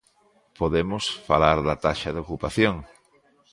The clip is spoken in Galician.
Podemos falar da taxa de ocupación.